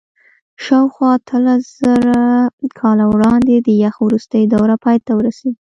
شاوخوا اتلسزره کاله وړاندې د یخ وروستۍ دوره پای ته ورسېده.